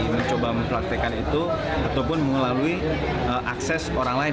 mencoba mempraktekan itu ataupun mengelalui akses orang lain